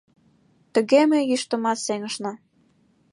Тыге ме йӱштымат сеҥышна.